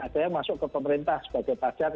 ada yang masuk ke pemerintah sebagai pajak